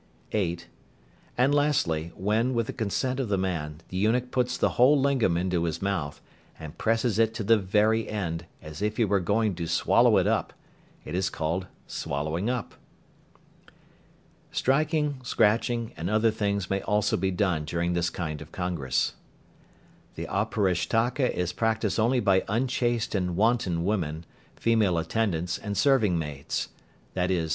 (8). And lastly, when, with the consent of the man, the eunuch puts the whole lingam into his mouth, and presses it to the very end, as if he were going to swallow it up, it is called "swallowing up." Striking, scratching, and other things may also be done during this kind of congress. The Auparishtaka is practised only by unchaste and wanton women, female attendants and serving maids, _i.e.